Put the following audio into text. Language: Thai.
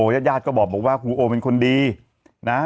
ญาติญาติก็บอกว่าครูโอเป็นคนดีนะ